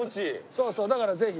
そうそうだからぜひ。